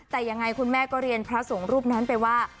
แต่ยังไงคุณแม่ก็เรียนพระสงฆ์รูปนั้นไปว่า